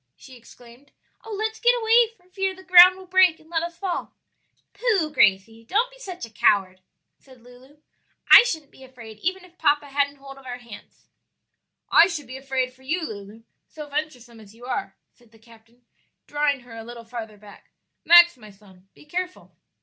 she exclaimed. "Oh, let's get away, for fear the ground will break and let us fall." "Pooh! Gracie, don't be such a coward," said Lulu. "I shouldn't be afraid even if papa hadn't hold of our hands." "I should be afraid for you, Lulu, so venturesome as you are," said the captain, drawing her a little farther back. "Max, my son, be careful."